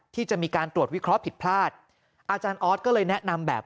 ที่จะมีการตรวจวิเคราะห์ผิดพลาดอาจารย์ออสก็เลยแนะนำแบบ